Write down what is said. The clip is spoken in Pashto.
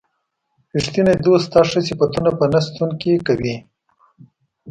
ریښتینی دوست ستا ښه صفتونه په نه شتون کې کوي.